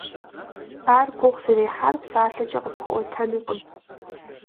Ар гугъу зэрехьар псалъэкӀэ къыпхуэӀуэтэнукъым.